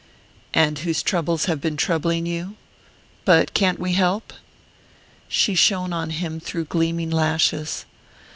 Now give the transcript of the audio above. "And whose troubles have been troubling you? But can't we help?" She shone on him through gleaming lashes.